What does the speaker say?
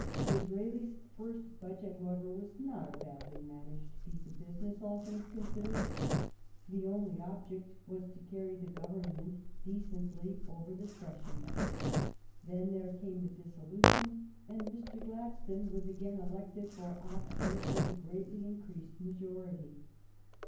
Disraeli's first budget, however, was not a badly managed piece of business, all things considered. The only object was to carry the Government decently over the session. Then there came a dissolution, and Mr. Gladstone was again elected for Oxford with a greatly increased majority.